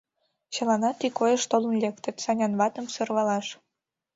Чыланат ик ойыш толын лектыт: Санян ватым сӧрвалаш.